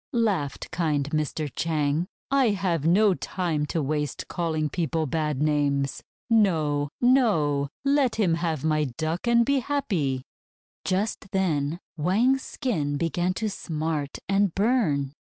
laughed kind Mr. Chang. "I have no time to waste calling people bad names. No! No! Let him have my Duck, and be happy!" Just then Wang's skin began to smart and burn.